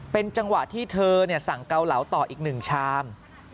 เป็นจังหวะที่เธอสั่งเกาเหลาต่ออีก๑ชาม